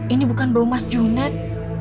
ini bukan bau mas juned